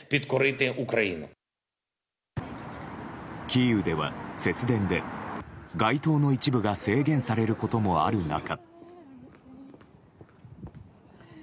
キーウでは節電で街灯の一部が制限されることもある中。